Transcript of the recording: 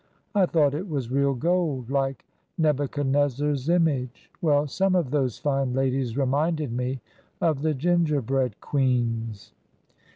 I thought it was real gold like Nebuchadnezzar's image. Well, some of those fine ladies reminded me of the gingerbread queens."